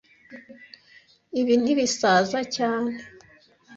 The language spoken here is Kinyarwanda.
Ibi ntibisaza cyane